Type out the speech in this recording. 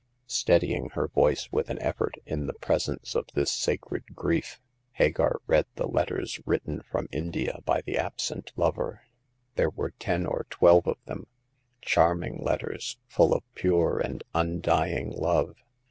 Steadying her voice with an effort in the pres The Sixth Customer. 169 ence of this sacred grief, Hagar read the letters written from India by the absent lover. There were ten or twelve of them— charming letters, full of pure and undying love.